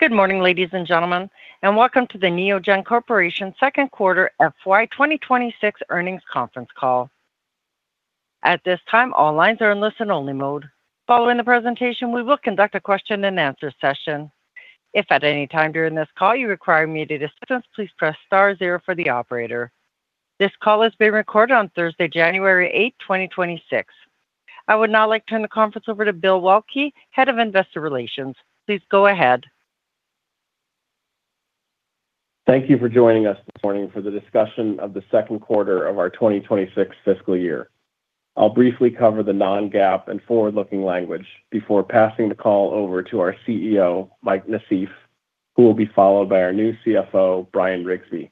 Good morning, ladies and gentlemen, and welcome to the Neogen Corporation Q2 FY 2026 Earnings Conference Call. At this time, all lines are in listen-only mode. Following the presentation, we will conduct a question-and-answer session. If at any time during this call you require immediate assistance, please press star zero for the operator. This call is being recorded on Thursday, 8 January 2026. I would now like to turn the conference over to Bill Waelke, Head of Investor Relations. Please go ahead. Thank you for joining us this morning for the discussion of the Q2 of our 2026 fiscal year. I'll briefly cover the non-GAAP and forward-looking language before passing the call over to our CEO, Mike Nassif, who will be followed by our new CFO, Bryan Riggsbee.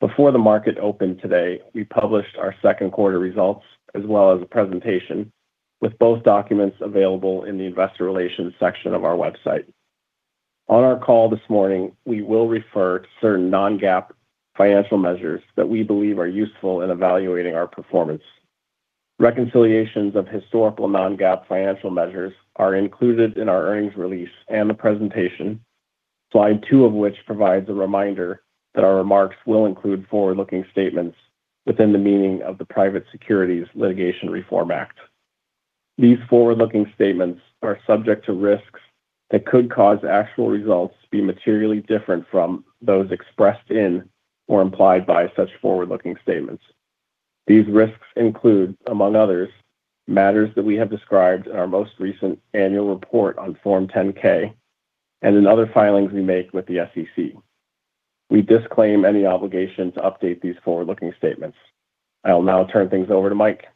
Before the market opened today, we published our Q2 results as well as a presentation, with both documents available in the investor relations section of our website. On our call this morning, we will refer to certain non-GAAP financial measures that we believe are useful in evaluating our performance. Reconciliations of historical non-GAAP financial measures are included in our earnings release and presentation, slide two of which provides a reminder that our remarks will include forward-looking statements within the meaning of the Private Securities Litigation Reform Act. These forward-looking statements are subject to risks that could cause actual results to be materially different from those expressed in or implied by such forward-looking statements. These risks include, among others, matters that we have described in our most recent annual report on Form 10-K and in other filings we make with the SEC. We disclaim any obligation to update these forward-looking statements. I'll now turn things over to Mike.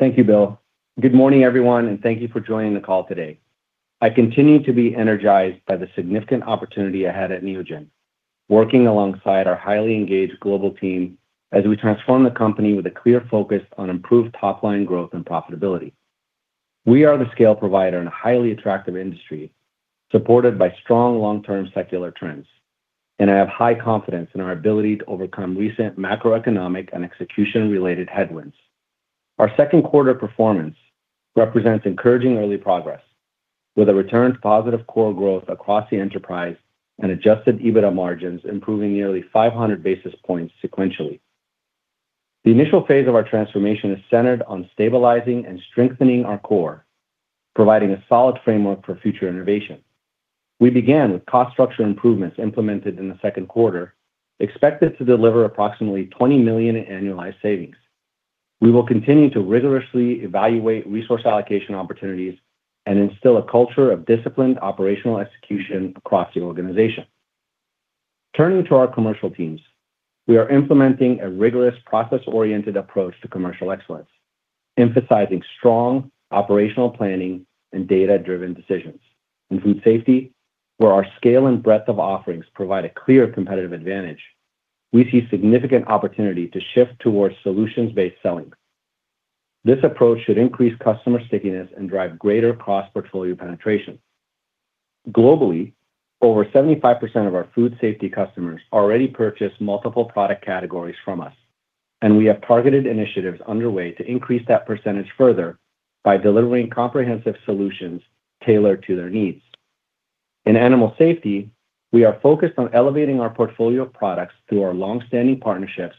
Thank you, Bill. Good morning, everyone, and thank you for joining the call today. I continue to be energized by the significant opportunity ahead at Neogen, working alongside our highly engaged global team as we transform the company with a clear focus on improved top-line growth and profitability. We are the scale provider in a highly attractive industry supported by strong long-term secular trends and I have high confidence in our ability to overcome recent macroeconomic and execution-related headwinds. Our Q2 performance represents encouraging early progress, with a return to positive core growth across the enterprise and adjusted EBITDA margins improving nearly 500 basis points sequentially. The initial phase of our transformation is centered on stabilizing and strengthening our core, providing a solid framework for future innovation. We began with cost structure improvements implemented in the Q2, expected to deliver approximately $20 million in annualized savings. We will continue to rigorously evaluate resource allocation opportunities and instill a culture of disciplined operational execution across the organization. Turning to our commercial teams, we are implementing a rigorous process-oriented approach to commercial excellence, emphasizing strong operational planning and data-driven decisions. In food safety, where our scale and breadth of offerings provide a clear competitive advantage, we see significant opportunity to shift towards solutions-based selling. This approach should increase customer stickiness and drive greater cross-portfolio penetration. Globally, over 75% of our food safety customers already purchase multiple product categories from us, and we have targeted initiatives underway to increase that percentage further by delivering comprehensive solutions tailored to their needs. In animal safety, we are focused on elevating our portfolio of products through our long-standing partnerships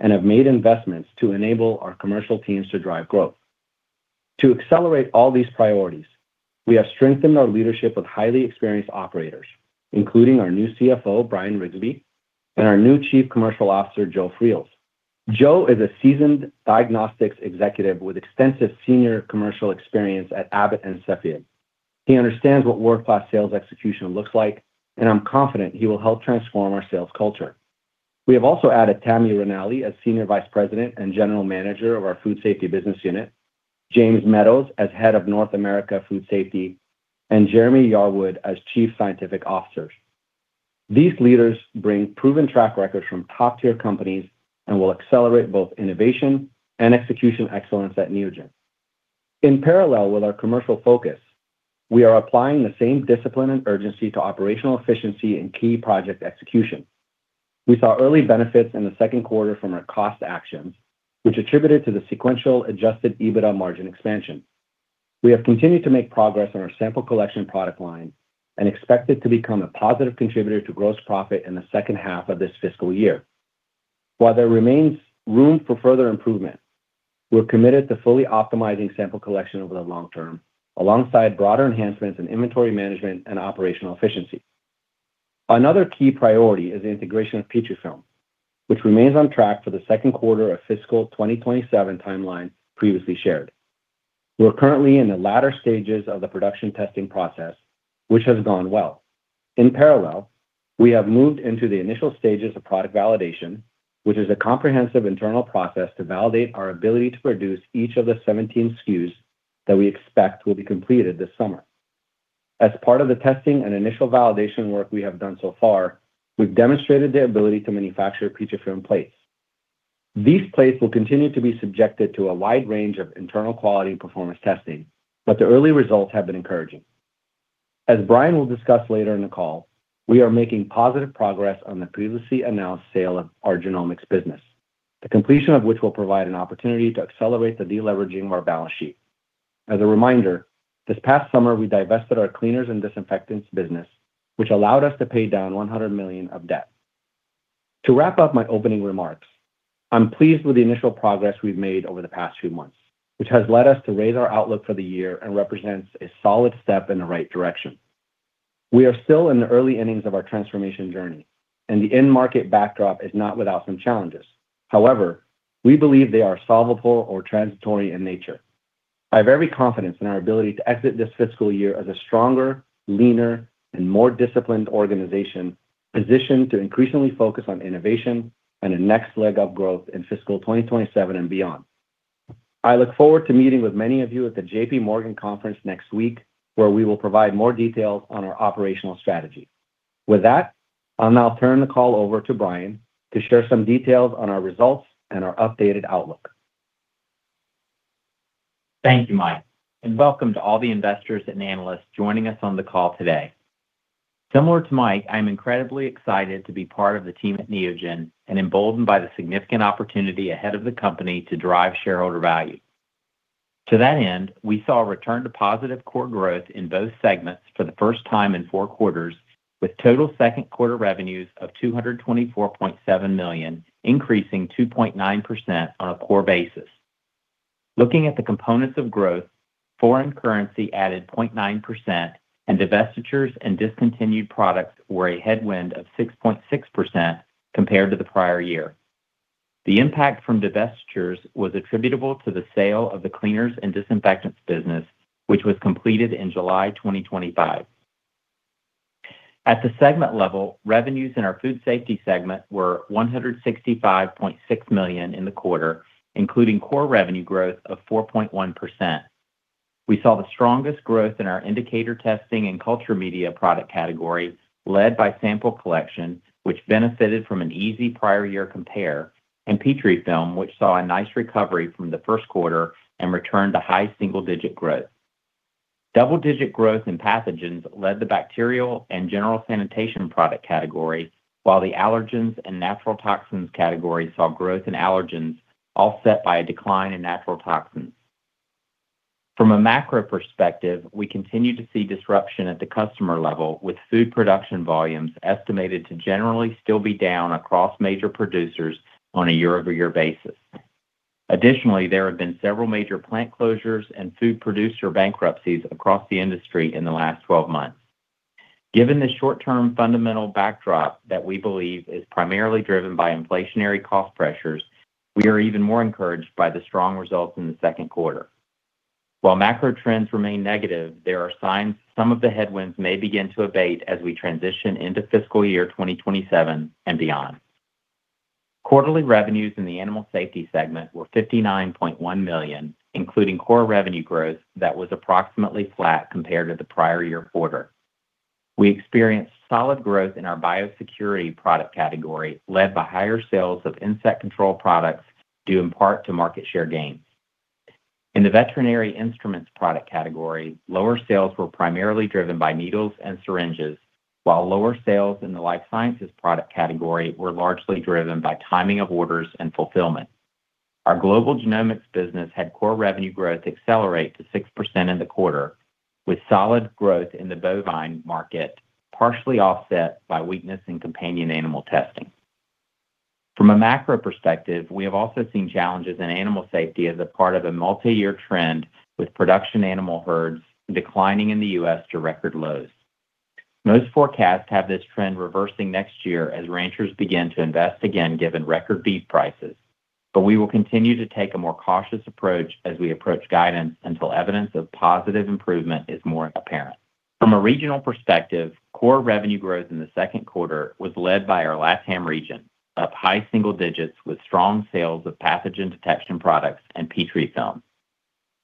and have made investments to enable our commercial teams to drive growth. To accelerate all these priorities, we have strengthened our leadership with highly experienced operators, including our new CFO, Bryan Riggsbee, and our new Chief Commercial Officer, Joe Freels. Joe is a seasoned diagnostics executive with extensive senior commercial experience at Abbott and Cepheid. He understands what world-class sales execution looks like, and I'm confident he will help transform our sales culture. We have also added Tammi Ranalli as Senior Vice President and General Manager of our food safety business unit; James Meadows as Head of North America Food Safety, and Jeremy Yarwood as Chief Scientific Officer. These leaders bring proven track records from top-tier companies and will accelerate both innovation and execution excellence at Neogen. In parallel with our commercial focus, we are applying the same discipline and urgency to operational efficiency and key project execution. We saw early benefits in the Q2 from our cost actions, which attributed to the sequential Adjusted EBITDA margin expansion. We have continued to make progress on our sample collection product line and expect it to become a positive contributor to gross profit in the second half of this fiscal year. While there remains room for further improvement, we're committed to fully optimizing sample collection over the long term alongside broader enhancements in inventory management and operational efficiency. Another key priority is the integration of Petrifilm, which remains on track for the Q2 of fiscal 2027 timeline previously shared. We're currently in the latter stages of the production testing process, which has gone well. In parallel, we have moved into the initial stages of product validation, which is a comprehensive internal process to validate our ability to produce each of the 17 SKUs that we expect will be completed this summer. As part of the testing and initial validation work we have done so far, we've demonstrated the ability to manufacture Petrifilm plates. These plates will continue to be subjected to a wide range of internal quality performance testing, but the early results have been encouraging. As Bryan will discuss later in the call, we are making positive progress on the previously announced sale of our genomics business, the completion of which will provide an opportunity to accelerate the deleveraging of our balance sheet. As a reminder, this past summer we divested our cleaners and disinfectants business, which allowed us to pay down $100 million of debt. To wrap up my opening remarks, I'm pleased with the initial progress we've made over the past few months, which has led us to raise our outlook for the year and represents a solid step in the right direction. We are still in the early innings of our transformation journey, and the end market backdrop is not without some challenges. However, we believe they are solvable or transitory in nature. I have every confidence in our ability to exit this fiscal year as a stronger, leaner, and more disciplined organization positioned to increasingly focus on innovation and a next leg of growth in fiscal 2027 and beyond. I look forward to meeting with many of you at the J.P. Morgan Conference next week, where we will provide more details on our operational strategy. With that, I'll now turn the call over to Bryan to share some details on our results and our updated outlook. Thank you, Mike, and welcome to all the investors and analysts joining us on the call today. Similar to Mike, I'm incredibly excited to be part of the team at Neogen and emboldened by the significant opportunity ahead of the company to drive shareholder value. To that end, we saw a return to positive core growth in both segments for the first time in four quarters, with total Q2 revenues of $224.7 million, increasing 2.9% on a core basis. Looking at the components of growth, foreign currency added 0.9%, and divestitures and discontinued products were a headwind of 6.6% compared to the prior year. The impact from divestitures was attributable to the sale of the cleaners and disinfectants business, which was completed in July 2025. At the segment level, revenues in our food safety segment were $165.6 million in the quarter, including core revenue growth of 4.1%. We saw the strongest growth in our indicator testing and culture media product category, led by sample collection, which benefited from an easy prior year compare, and Petrifilm, which saw a nice recovery from the Q1 and returned to high single-digit growth. Double-digit growth in pathogens led the bacterial and general sanitation product category, while the allergens and natural toxins category saw growth in allergens, offset by a decline in natural toxins. From a macro perspective, we continue to see disruption at the customer level, with food production volumes estimated to generally still be down across major producers on a year-over-year basis. Additionally, there have been several major plant closures and food producer bankruptcies across the industry in the last 12 months. Given the short-term fundamental backdrop that we believe is primarily driven by inflationary cost pressures, we are even more encouraged by the strong results in the Q2. While macro trends remain negative, there are signs some of the headwinds may begin to abate as we transition into fiscal year 2027 and beyond. Quarterly revenues in the animal safety segment were $59.1 million, including core revenue growth that was approximately flat compared to the prior year quarter. We experienced solid growth in our biosecurity product category, led by higher sales of insect control products due in part to market share gains. In the veterinary instruments product category, lower sales were primarily driven by needles and syringes, while lower sales in the life sciences product category were largely driven by timing of orders and fulfillment. Our global genomics business had core revenue growth accelerate to 6% in the quarter, with solid growth in the bovine market, partially offset by weakness in companion animal testing. From a macro perspective, we have also seen challenges in animal safety as a part of a multi-year trend, with production animal herds declining in the U.S. to record lows. Most forecasts have this trend reversing next year as ranchers begin to invest again given record beef prices, but we will continue to take a more cautious approach as we approach guidance until evidence of positive improvement is more apparent. From a regional perspective, core revenue growth in the Q2 was led by our LATAM region, up high single digits with strong sales of pathogen detection products and Petrifilm.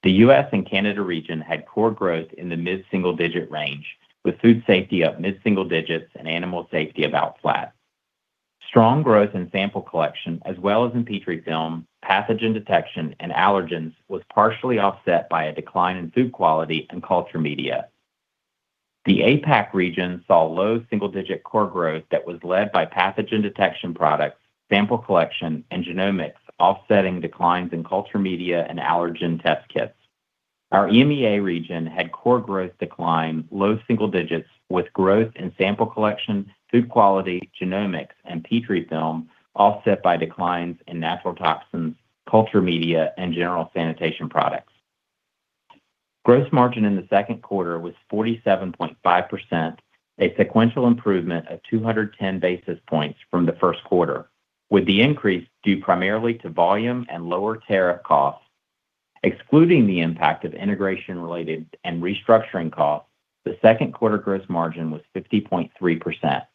The U.S. and Canada region had core growth in the mid-single-digit range, with food safety up mid-single digits and animal safety about flat. Strong growth in sample collection, as well as in Petrifilm, pathogen detection, and allergens was partially offset by a decline in food quality and culture media. The APAC region saw low single-digit core growth that was led by pathogen detection products, sample collection, and genomics, offsetting declines in culture media and allergen test kits. Our EMEA region had core growth decline, low single digits, with growth in sample collection, food quality, genomics, and Petrifilm, offset by declines in natural toxins, culture media, and general sanitation products. Gross margin in the Q2 was 47.5%, a sequential improvement of 210 basis points from the Q1, with the increase due primarily to volume and lower tariff costs. Excluding the impact of integration-related and restructuring costs, the Q2 gross margin was 50.3%.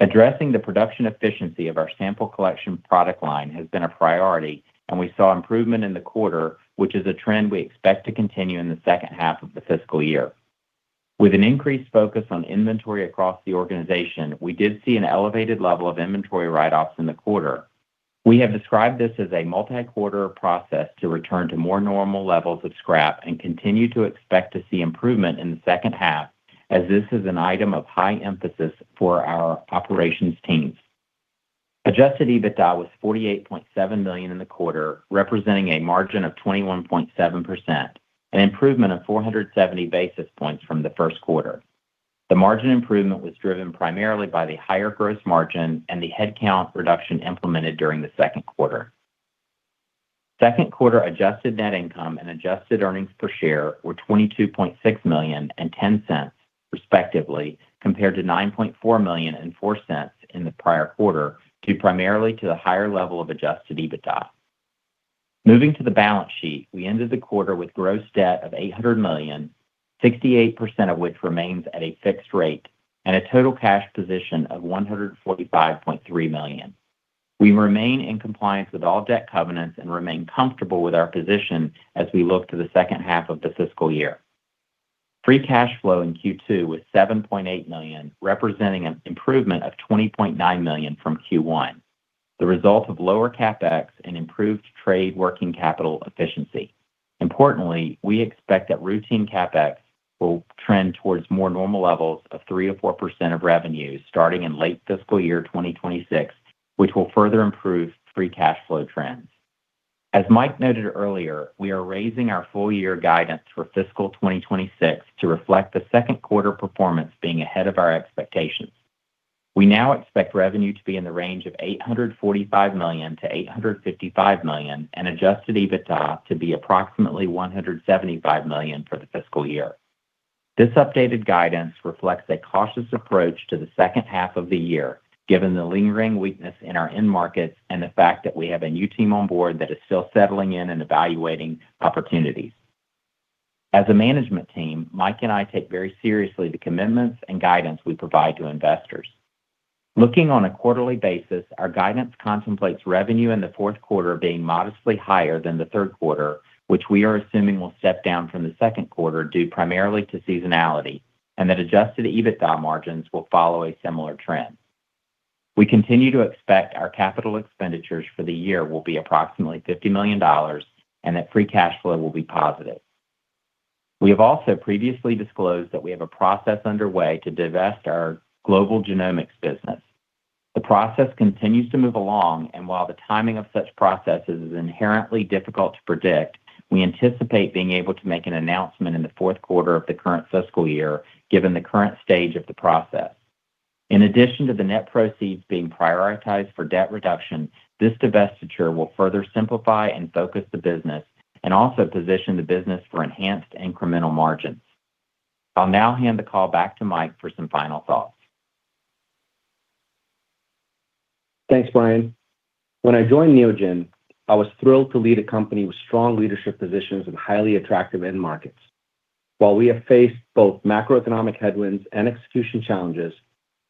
Addressing the production efficiency of our sample collection product line has been a priority, and we saw improvement in the quarter, which is a trend we expect to continue in the second half of the fiscal year. With an increased focus on inventory across the organization, we did see an elevated level of inventory write-offs in the quarter. We have described this as a multi-quarter process to return to more normal levels of scrap and continue to expect to see improvement in the second half, as this is an item of high emphasis for our operations teams. Adjusted EBITDA was $48.7 million in the quarter, representing a margin of 21.7%, an improvement of 470 basis points from the Q1. The margin improvement was driven primarily by the higher gross margin and the headcount reduction implemented during the Q2. Q2 adjusted net income and adjusted earnings per share were $22.6 million and $0.10, respectively, compared to $9.4 million and $0.04 in the prior quarter, due primarily to the higher level of adjusted EBITDA. Moving to the balance sheet, we ended the quarter with gross debt of $800 million, 68% of which remains at a fixed rate, and a total cash position of $145.3 million. We remain in compliance with all debt covenants and remain comfortable with our position as we look to the second half of the fiscal year. Free cash flow in Q2 was $7.8 million, representing an improvement of $20.9 million from Q1, the result of lower CapEx and improved trade working capital efficiency. Importantly, we expect that routine CapEx will trend towards more normal levels of 3% to 4% of revenues starting in late fiscal year 2026, which will further improve free cash flow trends. As Mike noted earlier, we are raising our full-year guidance for fiscal 2026 to reflect the Q2 performance being ahead of our expectations. We now expect revenue to be in the range of $845 million to 855 million and adjusted EBITDA to be approximately $175 million for the fiscal year. This updated guidance reflects a cautious approach to the second half of the year, given the lingering weakness in our end markets and the fact that we have a new team on board that is still settling in and evaluating opportunities. As a management team, Mike and I take very seriously the commitments and guidance we provide to investors. Looking on a quarterly basis, our guidance contemplates revenue in the Q4 being modestly higher than the Q3, which we are assuming will step down from the Q2 due primarily to seasonality, and that adjusted EBITDA margins will follow a similar trend. We continue to expect our capital expenditures for the year will be approximately $50 million and that free cash flow will be positive. We have also previously disclosed that we have a process underway to divest our global genomics business. The process continues to move along, and while the timing of such processes is inherently difficult to predict, we anticipate being able to make an announcement in the Q4 of the current fiscal year, given the current stage of the process. In addition to the net proceeds being prioritized for debt reduction, this divestiture will further simplify and focus the business and also position the business for enhanced incremental margins. I'll now hand the call back to Mike for some final thoughts. Thanks, Bryan. When I joined Neogen, I was thrilled to lead a company with strong leadership positions and highly attractive end markets. While we have faced both macroeconomic headwinds and execution challenges,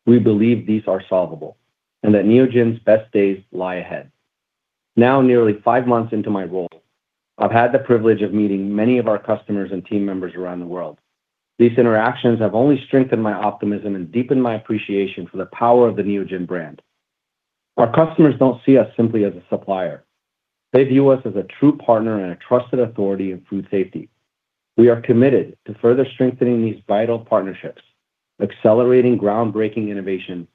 we believe these are solvable and that Neogen's best days lie ahead. Now, nearly five months into my role, I've had the privilege of meeting many of our customers and team members around the world. These interactions have only strengthened my optimism and deepened my appreciation for the power of the Neogen brand. Our customers don't see us simply as a supplier. They view us as a true partner and a trusted authority in food safety. We are committed to further strengthening these vital partnerships, accelerating groundbreaking innovation,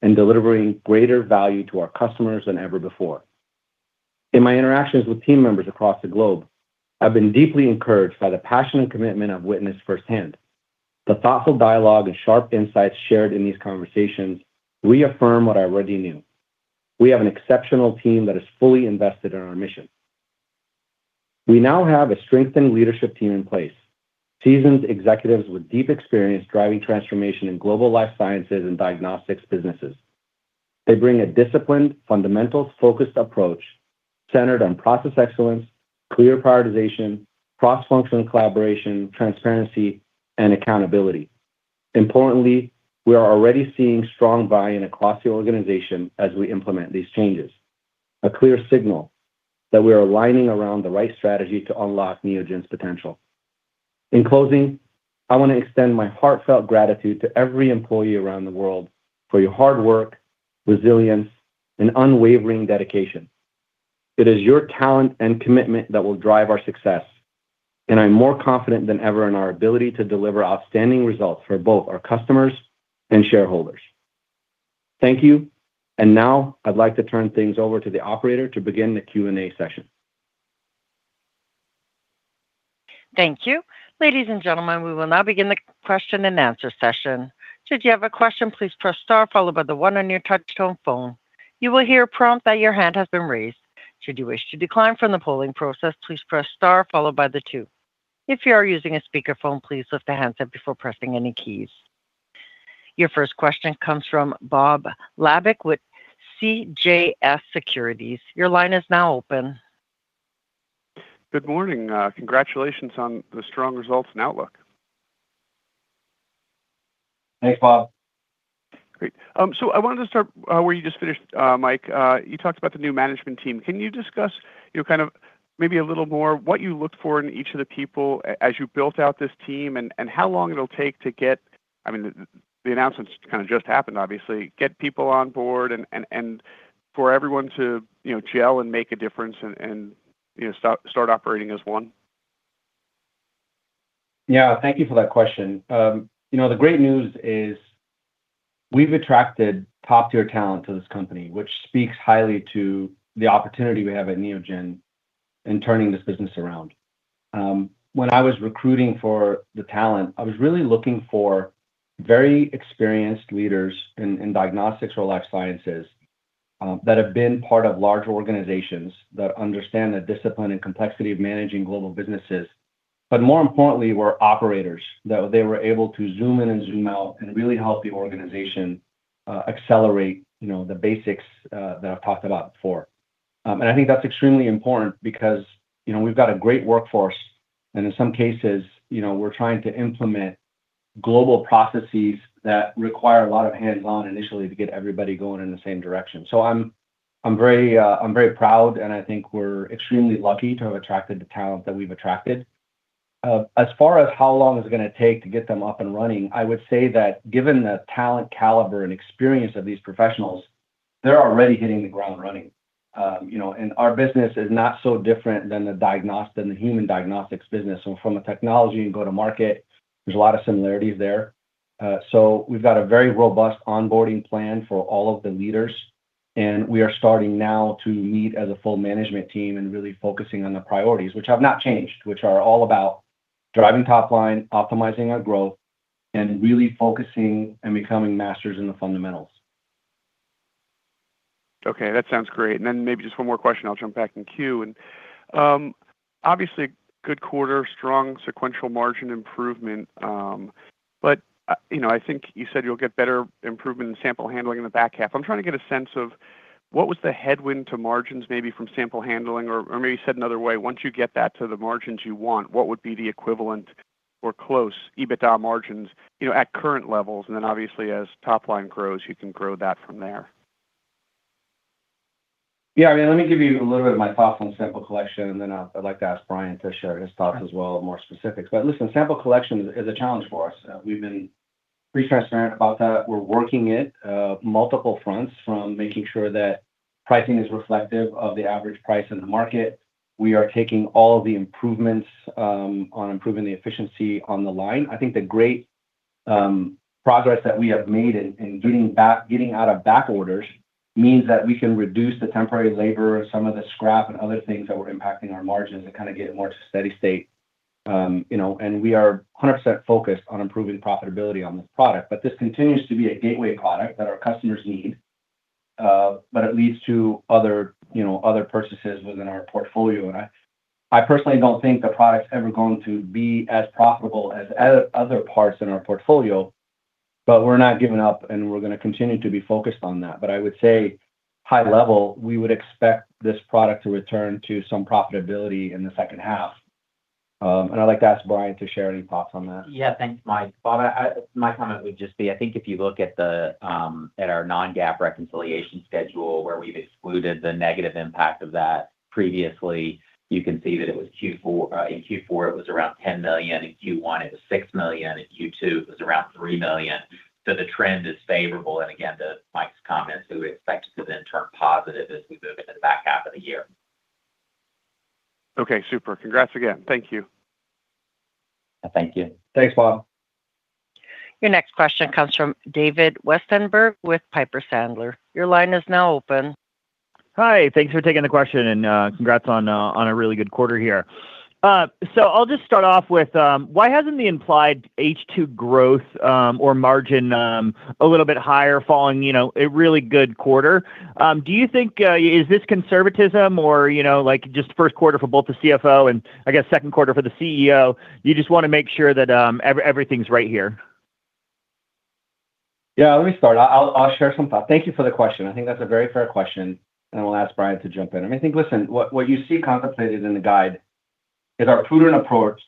and delivering greater value to our customers than ever before. In my interactions with team members across the globe, I've been deeply encouraged by the passion and commitment I've witnessed firsthand. The thoughtful dialogue and sharp insights shared in these conversations reaffirm what I already knew. We have an exceptional team that is fully invested in our mission. We now have a strengthened leadership team in place, seasoned executives with deep experience driving transformation in global life sciences and diagnostics businesses. They bring a disciplined, fundamental-focused approach centered on process excellence, clear prioritization, cross-functional collaboration, transparency, and accountability. Importantly, we are already seeing strong buy-in across the organization as we implement these changes, a clear signal that we are aligning around the right strategy to unlock Neogen's potential. In closing, I want to extend my heartfelt gratitude to every employee around the world for your hard work, resilience, and unwavering dedication.It is your talent and commitment that will drive our success, and I'm more confident than ever in our ability to deliver outstanding results for both our customers and shareholders. Thank you, and now I'd like to turn things over to the operator to begin the Q&A session. Thank you. Ladies and gentlemen, we will now begin the question and answer session. Should you have a question, please press star followed by the one on your touch-tone phone. You will hear a prompt that your hand has been raised. Should you wish to decline from the polling process, please press star followed by the two. If you are using a speakerphone, please lift the handset up before pressing any keys. Your first question comes from Bob Labick with CJS Securities. Your line is now open. Good morning. Congratulations on the strong results and outlook. Thanks, Bob. Great, so I wanted to start where you just finished, Mike. You talked about the new management team. Can you discuss kind of maybe a little more what you looked for in each of the people as you built out this team and how long it'll take to get, I mean—the announcement kind of just happened, obviously, get people on board and for everyone to gel and make a difference and start operating as one? Yeah. Thank you for that question. The great news is we've attracted top-tier talent to this company, which speaks highly to the opportunity we have at Neogen in turning this business around. When I was recruiting for the talent, I was really looking for very experienced leaders in diagnostics or life sciences that have been part of large organizations that understand the discipline and complexity of managing global businesses, but more importantly, were operators, that they were able to zoom in and zoom out and really help the organization accelerate the basics that I've talked about before, and I think that's extremely important because we've got a great workforce, and in some cases, we're trying to implement global processes that require a lot of hands-on initially to get everybody going in the same direction. So I'm very proud, and I think we're extremely lucky to have attracted the talent that we've attracted. As far as how long it's going to take to get them up and running, I would say that given the talent caliber and experience of these professionals, they're already hitting the ground running. And our business is not so different than the human diagnostics business. From a technology and go-to-market, there's a lot of similarities there. So we've got a very robust onboarding plan for all of the leaders, and we are starting now to meet as a full management team and really focusing on the priorities, which have not changed, which are all about driving top line, optimizing our growth, and really focusing and becoming masters in the fundamentals. Okay. That sounds great. And then maybe just one more question. I'll jump back in queue. And obviously, good quarter, strong sequential margin improvement. But I think you said you'll get better improvement in sample handling in the back half. I'm trying to get a sense of what was the headwind to margins maybe from sample handling, or maybe said another way, once you get that to the margins you want, what would be the equivalent or close EBITDA margins at current levels? And then obviously, as top line grows, you can grow that from there. Yeah. I mean, let me give you a little bit of my thoughts on sample collection, and then I'd like to ask Bryan to share his thoughts as well, more specifics. But listen, sample collection is a challenge for us. We've been pretty transparent about that. We're working on it on multiple fronts from making sure that pricing is reflective of the average price in the market. We are taking all of the improvements on improving the efficiency on the line. I think the great progress that we have made in getting out of back orders means that we can reduce the temporary labor and some of the scrap and other things that were impacting our margins and kind of get more to a steady state, and we are 100% focused on improving profitability on this product. But this continues to be a gateway product that our customers need, but it leads to other purchases within our portfolio. And I personally don't think the product's ever going to be as profitable as other parts in our portfolio, but we're not giving up, and we're going to continue to be focused on that. But I would say, high level, we would expect this product to return to some profitability in the second half. And I'd like to ask Bryan to share any thoughts on that. Yeah. Thanks, Mike. My comment would just be, I think if you look at our non-GAAP reconciliation schedule, where we've excluded the negative impact of that previously, you can see that in Q4, it was around $10 million. In Q1, it was $6 million. In Q2, it was around $3 million. So ,the trend is favorable. And again, to Mike's comments, we would expect it to then turn positive as we move into the back half of the year. Okay. Super. Congrats again. Thank you. Thank you. Thanks, Bob. Your next question comes from David Westenberg with Piper Sandler. Your line is now open. Hi. Thanks for taking the question, and congrats on a really good quarter here. So, I'll just start off with, why hasn't the implied H2 growth or margin been a little bit higher following a really good quarter? Do you think this is conservatism or just Q1 for both the CFO and, I guess, Q2 for the CEO, you just want to make sure that everything's right here? Yeah. Let me start. I'll share some thoughts. Thank you for the question. I think that's a very fair question, and I'll ask Bryan to jump in. I mean, I think, listen, what you see contemplated in the guide is our prudent approach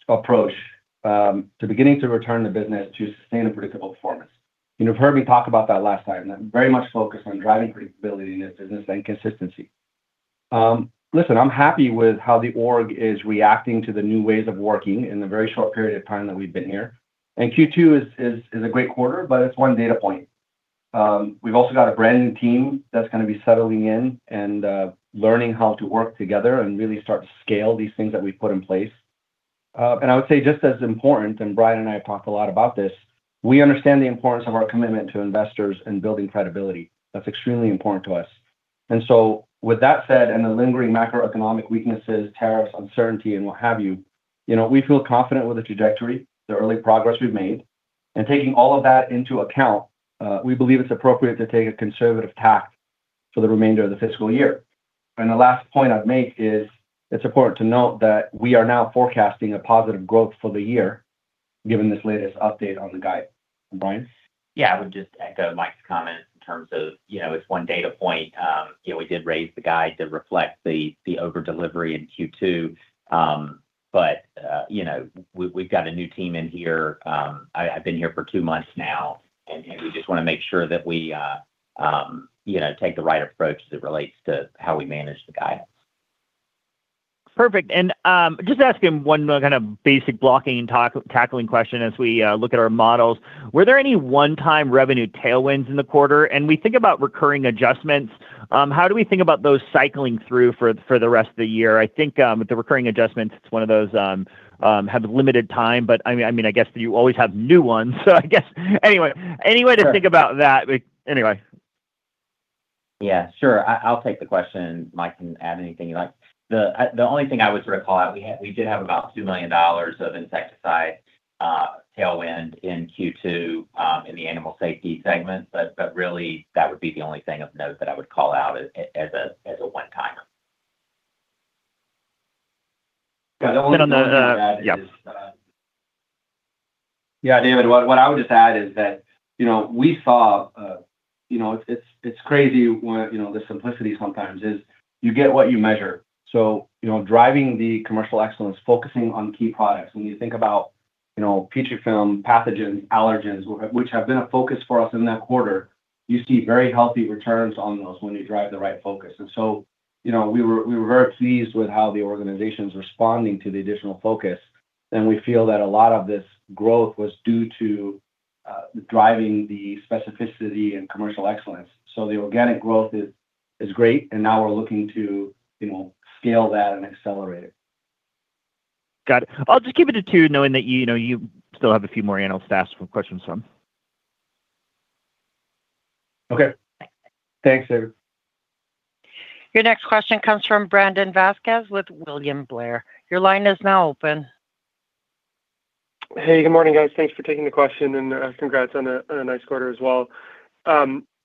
to beginning to return the business to sustainable performance. You've heard me talk about that last time. I'm very much focused on driving predictability in this business and consistency. Listen, I'm happy with how the org is reacting to the new ways of working in the very short period of time that we've been here. And Q2 is a great quarter, but it's one data point. We've also got a brand new team that's going to be settling in and learning how to work together and really start to scale these things that we've put in place. And I would say just as important, and Bryan and I have talked a lot about this, we understand the importance of our commitment to investors and building credibility. That's extremely important to us. And so with that said, and the lingering macroeconomic weaknesses, tariffs, uncertainty, and what have you, we feel confident with the trajectory, the early progress we've made. And taking all of that into account, we believe it's appropriate to take a conservative tack for the remainder of the fiscal year. And the last point I'd make is it's important to note that we are now forecasting a positive growth for the year given this latest update on the guide. And Bryan? Yeah. I would just echo Mike's comment in terms of it's one data point. We did raise the guide to reflect the overdelivery in Q2, but we've got a new team in here. I've been here for two months now, and we just want to make sure that we take the right approach as it relates to how we manage the guidance. Perfect. And just asking one kind of basic blocking and tackling question as we look at our models. Were there any one-time revenue tailwinds in the quarter? And we think about recurring adjustments. How do we think about those cycling through for the rest of the year? I think with the recurring adjustments, it's one of those have limited time, but I mean, I guess you always have new ones. So I guess anyway, any way to think about that? Anyway. Yeah. Sure. I'll take the question, Mike can add anything he likes. The only thing I would sort of call out, we did have about $2 million of insecticide tailwind in Q2 in the animal safety segment, but really, that would be the only thing of note that I would call out as a one-timer. Yeah. That was the only thing I'd add. Yeah. David, what I would just add is that we saw it's crazy where the simplicity sometimes is. You get what you measure. So, driving the commercial excellence, focusing on key products. When you think about Petrifilm, pathogens, allergens, which have been a focus for us in that quarter, you see very healthy returns on those when you drive the right focus. And so, we were very pleased with how the organization is responding to the additional focus. And we feel that a lot of this growth was due to driving the specificity and commercial excellence. So, the organic growth is great, and now we're looking to scale that and accelerate it. Got it. I'll just keep it to two, knowing that you still have a few more analysts to ask some questions from. Okay. Thanks, David. Your next question comes from Brandon Vazquez with William Blair. Your line is now open. Hey. Good morning, guys. Thanks for taking the question, and congrats on a nice quarter as well.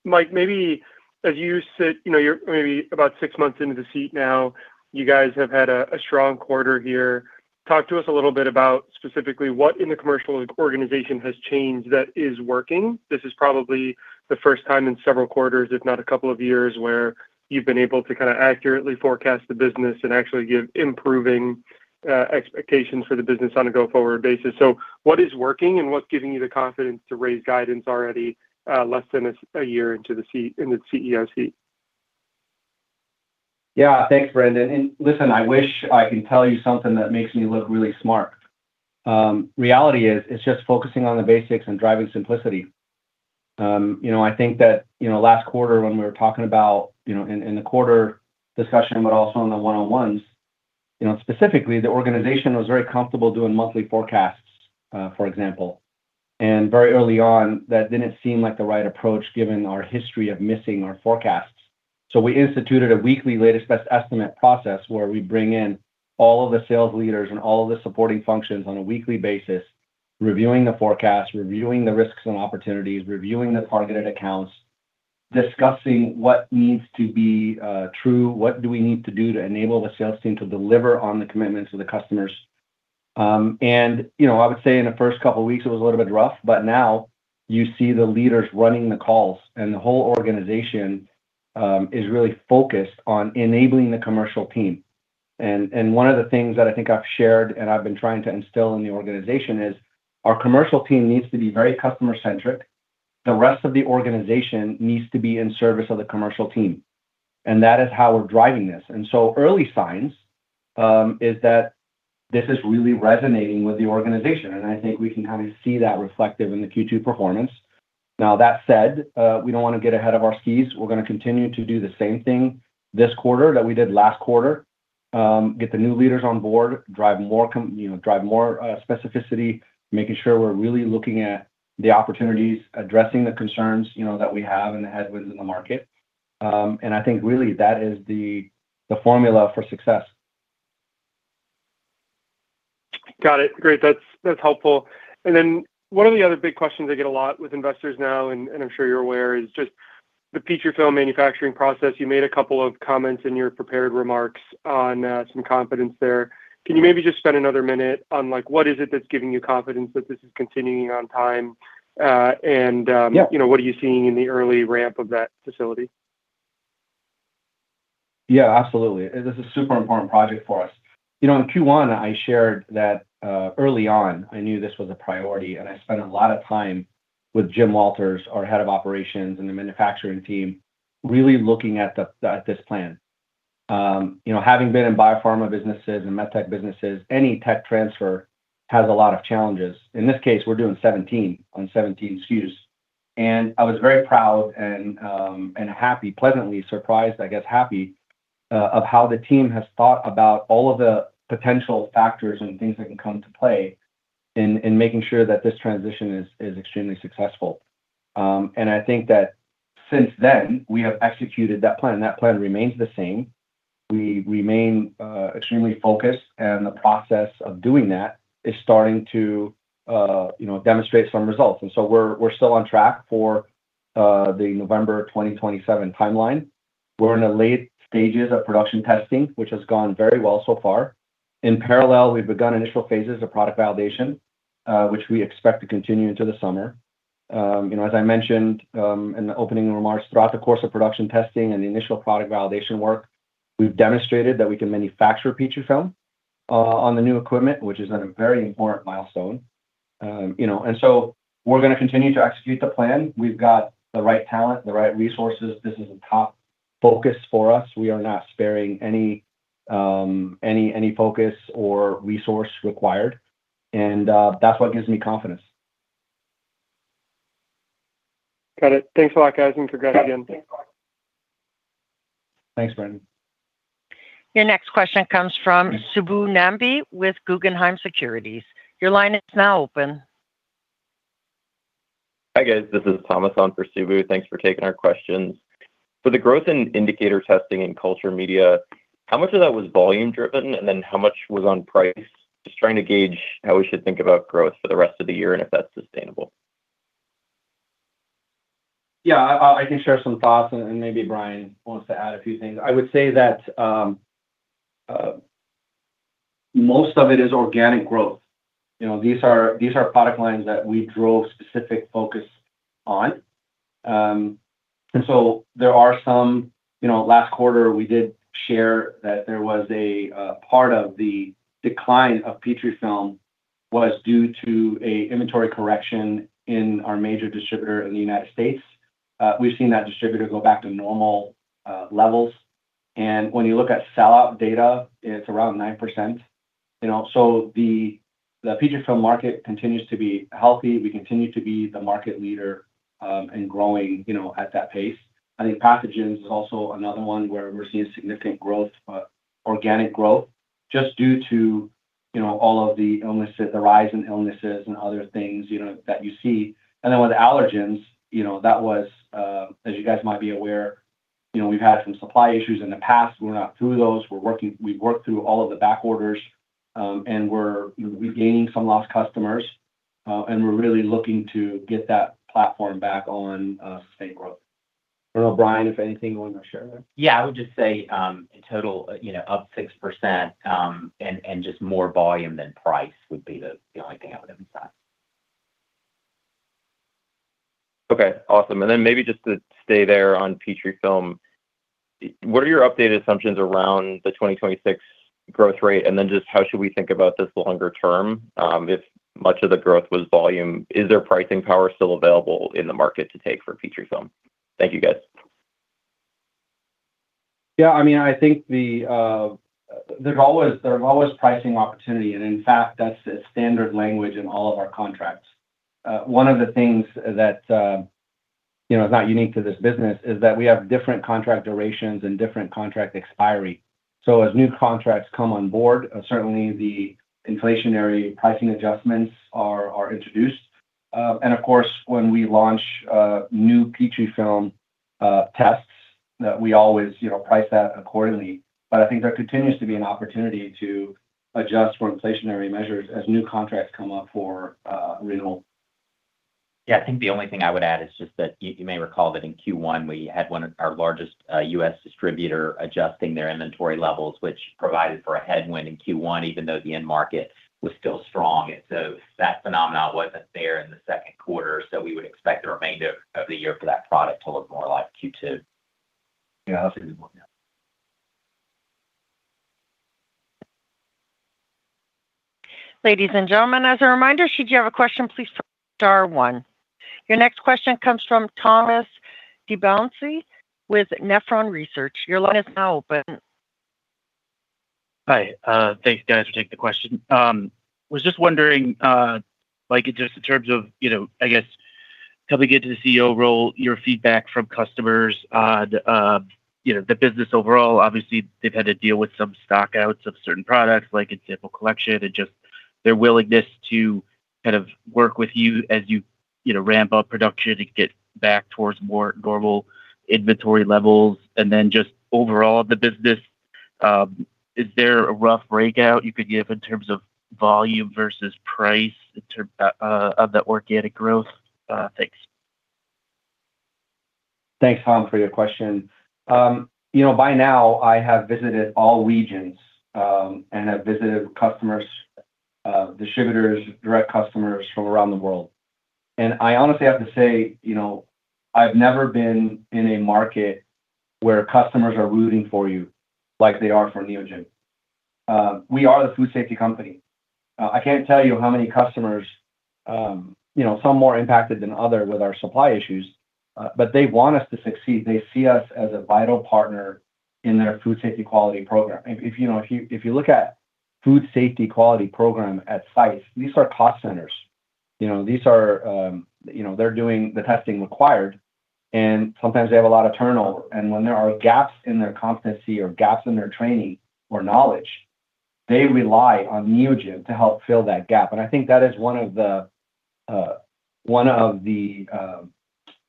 Mike, maybe as you sit maybe about six months into the seat now, you guys have had a strong quarter here. Talk to us a little bit about specifically what in the commercial organization has changed that is working. This is probably the first time in several quarters, if not a couple of years, where you've been able to kind of accurately forecast the business and actually give improving expectations for the business on a go-forward basis. So what is working, and what's giving you the confidence to raise guidance already less than a year into the CEO seat? Yeah. Thanks, Brandon, and listen, I wish I could tell you something that makes me look really smart. Reality is it's just focusing on the basics and driving simplicity. I think that last quarter, when we were talking about in the quarter discussion, but also in the one-on-ones, specifically, the organization was very comfortable doing monthly forecasts, for example, and very early on, that didn't seem like the right approach given our history of missing our forecasts, so we instituted a weekly latest best estimate process where we bring in all of the sales leaders and all of the supporting functions on a weekly basis, reviewing the forecasts, reviewing the risks and opportunities, reviewing the targeted accounts, discussing what needs to be true, what do we need to do to enable the sales team to deliver on the commitments of the customers. And I would say in the first couple of weeks, it was a little bit rough, but now you see the leaders running the calls, and the whole organization is really focused on enabling the commercial team. And one of the things that I think I've shared and I've been trying to instill in the organization is our commercial team needs to be very customer-centric. The rest of the organization needs to be in service of the commercial team. And that is how we're driving this. And so early signs is that this is really resonating with the organization. And I think we can kind of see that reflected in the Q2 performance. Now, that said, we don't want to get ahead of our skis. We're going to continue to do the same thing this quarter that we did last quarter, get the new leaders on board, drive more specificity, making sure we're really looking at the opportunities, addressing the concerns that we have and the headwinds in the market, and I think really that is the formula for success. Got it. Great. That's helpful. And then one of the other big questions I get a lot with investors now, and I'm sure you're aware, is just the Petrifilm manufacturing process. You made a couple of comments in your prepared remarks on some confidence there. Can you maybe just spend another minute on what is it that's giving you confidence that this is continuing on time? And what are you seeing in the early ramp of that facility? Yeah. Absolutely. This is a super important project for us. In Q1, I shared that early on, I knew this was a priority, and I spent a lot of time with Jim Walters, our head of operations and the manufacturing team, really looking at this plan. Having been in biopharma businesses and medtech businesses, any tech transfer has a lot of challenges. In this case, we're doing 17 on 17 SKUs. And I was very proud and happy, pleasantly surprised, I guess happy, of how the team has thought about all of the potential factors and things that can come to play in making sure that this transition is extremely successful. And I think that since then, we have executed that plan. That plan remains the same. We remain extremely focused, and the process of doing that is starting to demonstrate some results. And so we're still on track for the November 2027 timeline. We're in the late stages of production testing, which has gone very well so far. In parallel, we've begun initial phases of product validation, which we expect to continue into the summer. As I mentioned in the opening remarks, throughout the course of production testing and the initial product validation work, we've demonstrated that we can manufacture Petrifilm on the new equipment, which is a very important milestone. And so we're going to continue to execute the plan. We've got the right talent, the right resources. This is a top focus for us. We are not sparing any focus or resource required. And that's what gives me confidence. Got it. Thanks a lot, guys, and congrats again. Thanks, Brandon. Your next question comes from Subbu Nambi with Guggenheim Securities. Your line is now open. Hi, guys. This is Thomas on for Subbu. Thanks for taking our questions. For the growth in indicator testing in culture media, how much of that was volume-driven, and then how much was on price? Just trying to gauge how we should think about growth for the rest of the year and if that's sustainable. Yeah. I can share some thoughts, and maybe Bryan wants to add a few things. I would say that most of it is organic growth. These are product lines that we drove specific focus on. And so, last quarter, we did share that there was a part of the decline of Petrifilm was due to an inventory correction in our major distributor in the United States. We've seen that distributor go back to normal levels. And when you look at sellout data, it's around 9%. So the Petrifilm market continues to be healthy. We continue to be the market leader and growing at that pace. I think pathogens is also another one where we're seeing significant growth, organic growth, just due to all of the illnesses, the rise in illnesses and other things that you see. And then with allergens, that was, as you guys might be aware, we've had some supply issues in the past. We're not through those. We've worked through all of the back orders, and we're regaining some lost customers, and we're really looking to get that platform back on sustained growth. I don't know, Bryan, if anything you want to share there. Yeah. I would just say in total, up 6% and just more volume than price would be the only thing I would emphasize. Okay. Awesome. And then maybe just to stay there on Petrifilm, what are your updated assumptions around the 2026 growth rate? And then just how should we think about this longer term if much of the growth was volume? Is there pricing power still available in the market to take for Petrifilm? Thank you, guys. Yeah. I mean, I think there's always pricing opportunity. And in fact, that's a standard language in all of our contracts. One of the things that is not unique to this business is that we have different contract durations and different contract expiry. So, as new contracts come on board, certainly the inflationary pricing adjustments are introduced. And of course, when we launch new Petrifilm tests, we always price that accordingly. But I think there continues to be an opportunity to adjust for inflationary measures as new contracts come up for renewal. Yeah. I think the only thing I would add is just that you may recall that in Q1, we had one of our largest U.S. distributors adjusting their inventory levels, which provided for a headwind in Q1, even though the end market was still strong. And so that phenomenon wasn't there in the Q2. So we would expect the remainder of the year for that product to look more like Q2. Yeah. Absolutely. Ladies and gentlemen, as a reminder, should you have a question, please press star one. Your next question comes from Thomas DeBourcy with Nephron Research. Your line is now open. Hi. Thanks, guys, for taking the question. I was just wondering, just in terms of, I guess, helping get to the CEO role, your feedback from customers, the business overall. Obviously, they've had to deal with some stockouts of certain products, like in sample collection, and just their willingness to kind of work with you as you ramp up production and get back towards more normal inventory levels. And then just overall, the business, is there a rough breakout you could give in terms of volume versus price of that organic growth? Thanks. Thanks, Tom, for your question. By now, I have visited all regions and have visited customers, distributors, direct customers from around the world. And I honestly have to say I've never been in a market where customers are rooting for you like they are for Neogen. We are the food safety company. I can't tell you how many customers, some more impacted than others with our supply issues, but they want us to succeed. They see us as a vital partner in their food safety quality program. If you look at food safety quality program at sites, these are cost centers. These are. They're doing the testing required, and sometimes they have a lot of turnover. And when there are gaps in their competency or gaps in their training or knowledge, they rely on Neogen to help fill that gap. I think that is one of the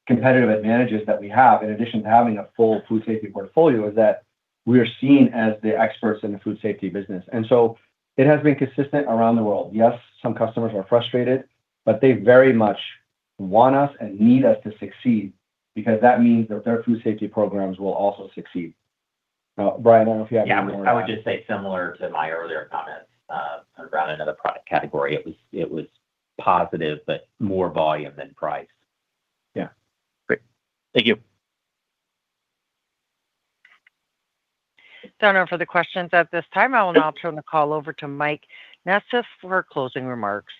competitive advantages that we have, in addition to having a full food safety portfolio, is that we are seen as the experts in the food safety business. And so it has been consistent around the world. Yes, some customers are frustrated, but they very much want us and need us to succeed because that means that their food safety programs will also succeed. Now, Bryan, I don't know if you have any more to add. Yeah. I would just say similar to my earlier comments around another product category, it was positive, but more volume than price. Yeah. Great. Thank you. No more questions at this time. I will now turn the call over to Mike Nassif for closing remarks.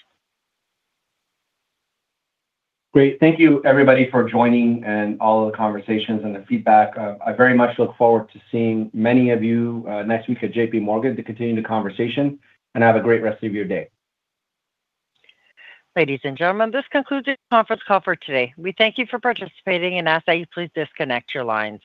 Great. Thank you, everybody, for joining and all of the conversations and the feedback. I very much look forward to seeing many of you next week at J.P. Morgan to continue the conversation, and have a great rest of your day. Ladies and gentlemen, this concludes the conference call for today. We thank you for participating and ask that you please disconnect your lines.